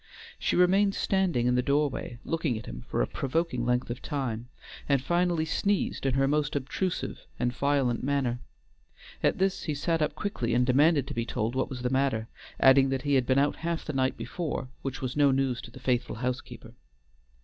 She remained standing in the doorway, looking at him for a provoking length of time, and finally sneezed in her most obtrusive and violent manner. At this he sat up quickly and demanded to be told what was the matter, adding that he had been out half the night before, which was no news to the faithful housekeeper.